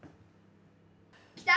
来た？